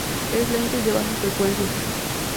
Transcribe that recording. Es lento y de baja frecuencia.